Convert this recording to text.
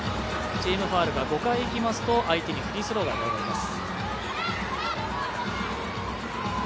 チームファウルが５回いきますと、相手にフリースローが与えられます。